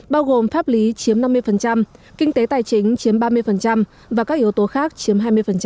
bao gồm pháp lý chiếm năm mươi kinh tế tài chính chiếm ba mươi và các yếu tố khác chiếm hai mươi